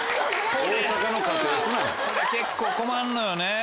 これ結構困んのよね。